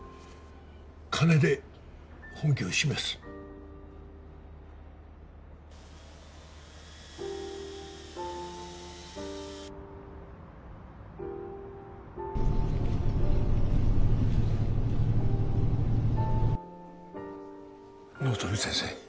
金で本気を示す納富先生